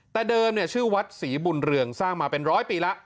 แต่เดิมชื่อวัดศรีบุญเรืองสร้างมาเป็นร้อยปีแล้ว